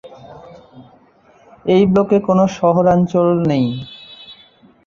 এই ব্লকে কোনো শহরাঞ্চল নেই।